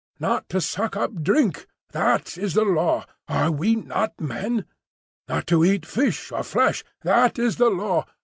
"Not to suck up Drink; that is the Law. Are we not Men? "Not to eat Fish or Flesh; that is the Law.